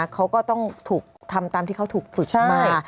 เขาก็ต้องทำตามที่เขาถึงฝึกมา